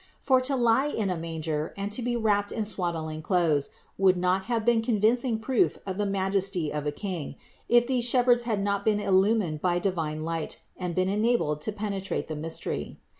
For to lie in a manger and to be wrapped in swaddling clothes, would not have been convincing proof of the majesty of a king, if these shepherds had not been illumined by divine light and been enabled to penetrate the mystery.